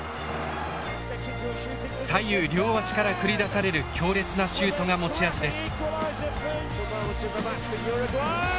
左右両足から繰り出される強烈なシュートが持ち味です。